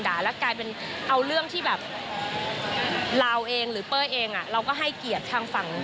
อาจไม่เคยเห็นเมทุ่มเทให้ใครขนาดนี้